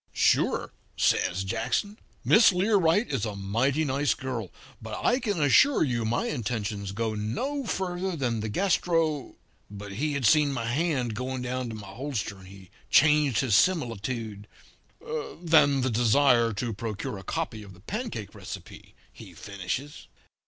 "'Sure,' says Jackson. 'Miss Learight is a mighty nice girl, but I can assure you my intentions go no further than the gastro ' but he seen my hand going down to my holster and he changed his similitude 'than the desire to procure a copy of the pancake recipe,' he finishes.